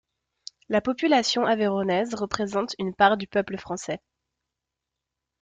La population aveyronnaise représente une part du peuple Français.